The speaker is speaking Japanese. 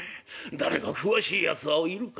誰か詳しいやつはいるか？」。